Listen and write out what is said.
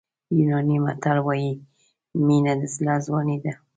یوناني متل وایي مینه د زړه ځواني ده.